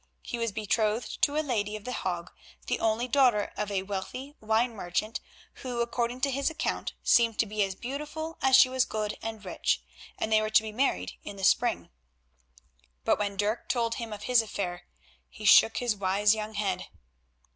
He was betrothed to a lady of The Hague, the only daughter of a wealthy wine merchant, who, according to his account, seemed to be as beautiful as she was good and rich, and they were to be married in the spring. But when Dirk told him of his affair, he shook his wise young head.